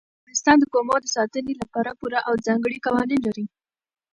افغانستان د قومونه د ساتنې لپاره پوره او ځانګړي قوانین لري.